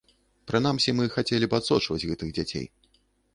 Прынамсі, мы хацелі б адсочваць гэтых дзяцей.